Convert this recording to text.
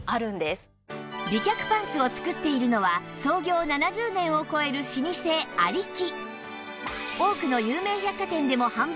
美脚パンツを作っているのは創業７０年を超える老舗有木